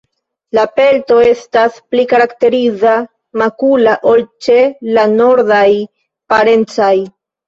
La pelto estas pli karakteriza, makula ol ĉe la nordaj parencoj.